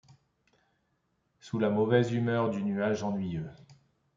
Sous la mauvaise humeur du nuage ennuyeux ;